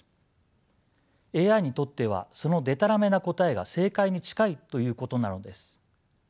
ＡＩにとってはそのでたらめな答えが正解に近いということなのです。